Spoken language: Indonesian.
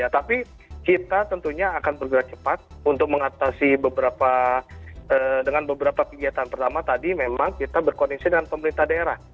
tapi kita tentunya akan bergerak cepat untuk mengatasi beberapa dengan beberapa kegiatan pertama tadi memang kita berkondisi dengan pemerintah daerah